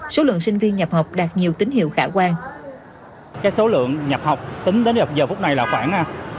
số lượng sinh viên nhập học đạt nhiều tín hiệu khả quan